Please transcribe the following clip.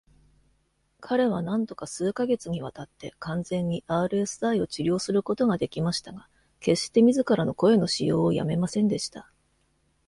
彼はなんとか数カ月にわたって完全に RSI を治療することができましたが、決して自らの声の使用を止めませんでした。